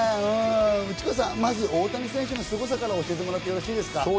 内川さん、まず大谷選手のすごさから教えてもらってよろしいですか？